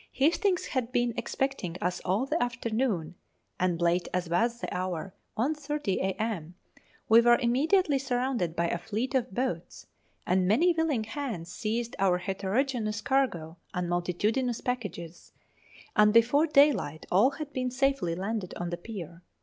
Hastings had been expecting us all the afternoon, and late as was the hour, 1.30 a.m., we were immediately surrounded by a fleet of boats, and many willing hands seized our heterogeneous cargo and multitudinous packages, and before daylight all had been safely landed on the pier.